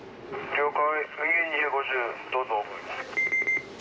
了解。